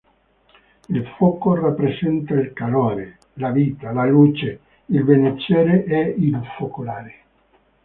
Il Fuoco rappresenta il calore, la vita, la luce, il benessere, ed il focolare.